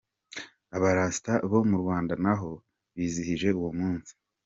Abarasta bo mu Rwanda nabo bizihije uwo munsi.